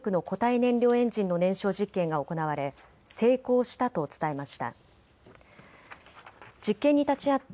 燃料エンジンの燃焼実験が行われ成功したと伝えました。